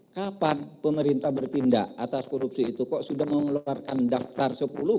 kapan pemerintah bertindak atas korupsi itu kok sudah mengeluarkan daftar sepuluh